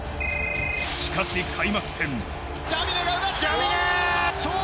しかし開幕戦。